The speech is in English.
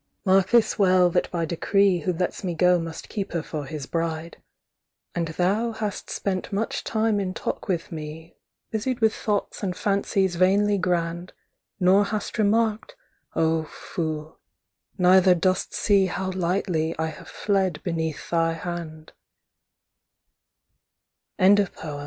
Mark this well that by decree Who lets me go must keep her for his bride. And thou hast spent much time in talk with me Busied with thoughts and fancies vainly grand, Nor hast remarked, O fool, neither dost see How lightly